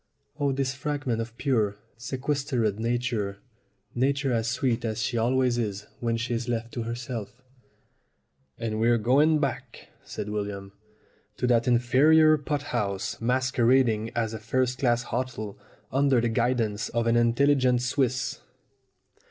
Oh, this fragment of pure, sequestered Na ture Nature as sweet as she always is when she is left to herself!" 255 256 STORIES WITHOUT TEARS "And we're going back," said William, "to that inferior pot house masquerading as a first class hotel under the guidance of an intelligent Swiss.